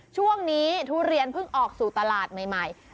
ทุเรียนเพิ่งออกสู่ตลาดใหม่